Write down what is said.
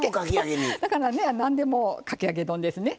だからね何でもかき揚げ丼ですね。